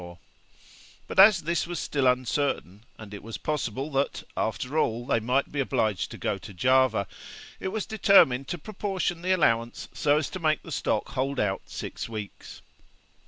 But as this was still uncertain, and it was possible that, after all, they might be obliged to go to Java, it was determined to proportion the allowance, so as to make the stock hold out six weeks.